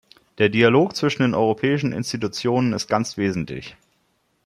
Der Dialog zwischen den europäischen Institutionen ist ganz wesentlich.